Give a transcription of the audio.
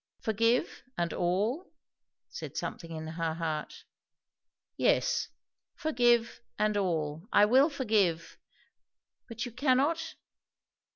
Forgive and all? said something in her heart. Yes, forgive and all. I will forgive! But you cannot?